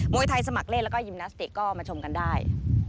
วยไทยสมัครเล่นแล้วก็ยิมนาสติกก็มาชมกันได้